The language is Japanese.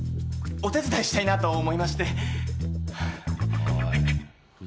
お手伝いしたいなと思いましておい